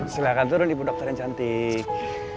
silahkan turun ibu dokter yang cantik